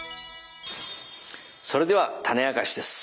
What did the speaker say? それではタネあかしです。